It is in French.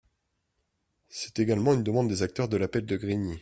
C’est également une demande des acteurs de l’appel de Grigny.